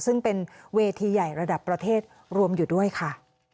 ซึ่งเป็นเวทีใหญ่ระดับประเทศรวมอยู่ด้วยค่ะ